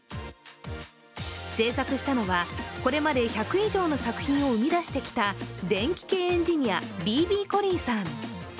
制作したのは、これまで１００以上の作品を生み出してきた、電気系エンジニア、ＢＢコリーさん。